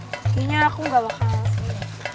kayanya aku gak bakal